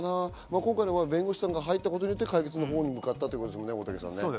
今回、弁護士さんが入ったことによって解決のほうに向かったということですね、大竹さん。